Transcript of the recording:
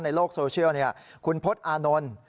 ในโลกโซเชียลเนี่ยคุณพจน์อานนท์